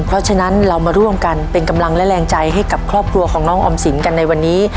เพราะฉะนั้นเรามาร่วมกันเป็นกำลังและแรงใจให้กับครอบครัวของน้องออมสินกันในวันนี้